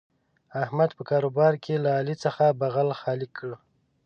احمد په کاروبار کې له علي څخه بغل خالي کړ.